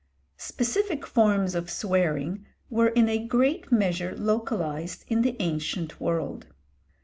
Specific forms of swearing were in a great measure localised in the ancient world.